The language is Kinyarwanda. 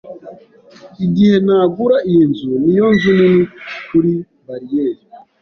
Igihe nagura iyi nzu, niyo nzu nini kuri bariyeri.